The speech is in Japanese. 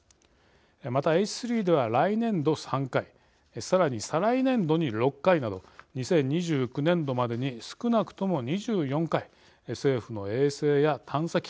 また、Ｈ３では来年度３回さらに再来年度に６回など２０２９年度までに少なくとも２４回政府の衛星や探査機